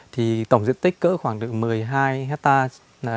thì tổng diện tích cỡ khoảng được một mươi hai hectare